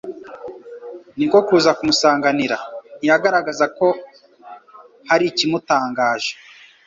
niko kuza kumusanganira. Ntiyagaragazaga ko hari ikimutangaje,